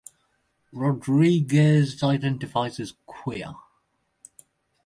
Rodriguez identifies as queer.